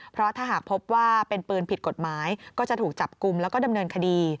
เพราะถ้าหากพบว่าเป็นปืนผิดกฎหมายก็จะถูกจับกลุ่มแล้วก็ดำเนินคดี